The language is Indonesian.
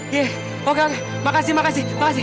yee oke oke makasih makasih makasih